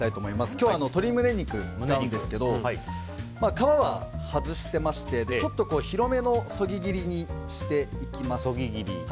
今日は鶏胸肉を使うんですけど皮は外していましてちょっと広めのそぎ切りにしていきます。